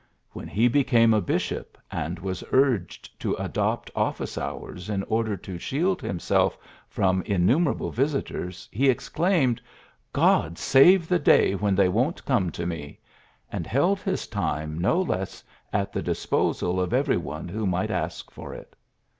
'' When he became a bishop, and was urged to adopt ofi&ce hours in order to shield himself from in numerable visitors, he exclaimed, '' God save the day when they won't come to me !'' and held his time no less at the disposal of every one who might ask for it.